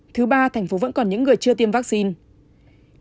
thứ ba tp hcm vẫn còn những người chưa tiêm vaccine